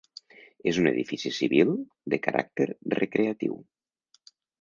És un edifici civil de caràcter recreatiu.